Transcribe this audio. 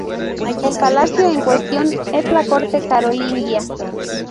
El palacio en cuestión es la corte carolingia.